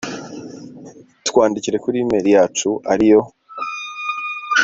twandikire kuri E-mail yacu ariyo